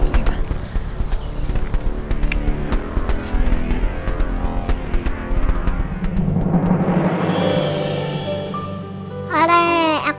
mama akan cerita